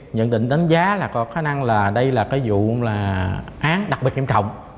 nhận định đánh giá là có khả năng là đây là cái vụ án đặc biệt hiểm trọng